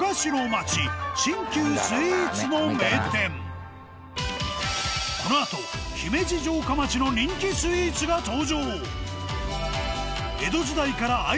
およそこのあと姫路城下町の人気スイーツが登場。